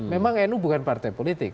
memang nu bukan partai politik